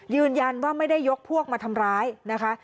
ยืนยันว่าไม่ได้ยกพวกมาทำร้ายนะคะ